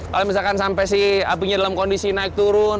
kalau misalkan sampai sih apinya dalam kondisi naik turun